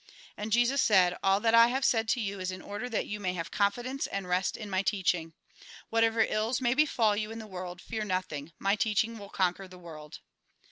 And Jesus said :" All that I have said to you is in order that you may have confidence and rest in my teaching. Whatever ills may befall you in the world, fear nothing : my teaching will conquer the world."